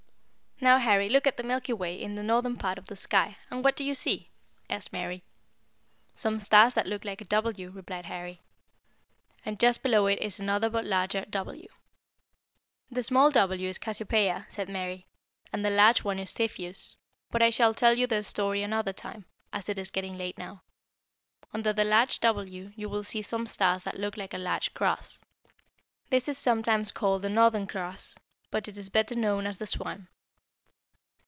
"Now, Harry, look at the Milky Way in the northern part of the sky, and what do you see?" asked Mary. "Some stars that look like a W," replied Harry; "and just below it is another but larger W." "The small W is Cassiopeia," said Mary, "and the large one is Cepheus; but I shall tell you their story another time, as it is getting late now. Under the large W, you will see some stars that look like a large cross. This is sometimes called the Northern Cross, but it is better known as the Swan."